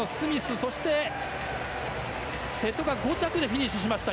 そして瀬戸が５着でフィニッシュしました。